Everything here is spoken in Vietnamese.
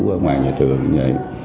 ở ngoài nhà trường như vậy